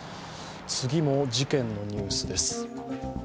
次も事件のニュースです。